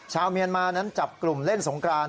ชาวเมียนมานั้นจับกลุ่มเล่นสงกราน